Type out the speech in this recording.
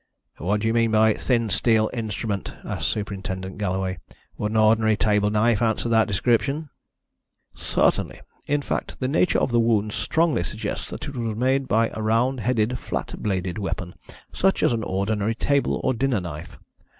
"What do you mean by a thin, steel instrument?" asked Superintendent Galloway. "Would an ordinary table knife answer that description?" "Certainly. In fact, the nature of the wound strongly suggests that it was made by a round headed, flat bladed weapon, such as an ordinary table or dinner knife.